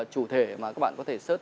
chủ thể mà các bạn có thể search